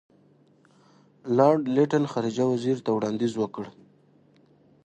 لارډ لیټن خارجه وزیر ته وړاندیز وکړ.